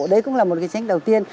đấy cũng là một cái chính đầu tiên